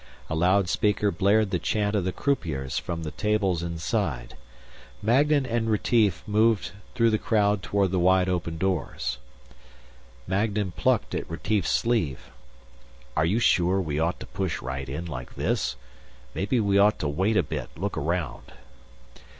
A loudspeaker blared the chant of the croupiers from the tables inside. Magnan and Retief moved through the crowd toward the wide open doors. Magnan plucked at Retief's sleeve. "Are you sure we ought to push right in like this? Maybe we ought to wait a bit, look around...."